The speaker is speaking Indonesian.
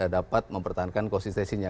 dapat mempertahankan konsistensinya